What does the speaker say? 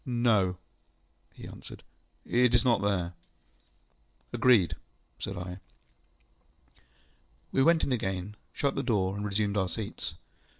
ŌĆ£No, ŌĆØ he answered. ŌĆ£It is not there. ŌĆØ ŌĆ£Agreed, ŌĆØ said I. We went in again, shut the door, and resumed our seats.